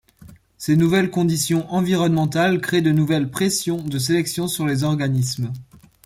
Ces nouvelles conditions environnementales créent de nouvelles pressions de sélection sur les organismes.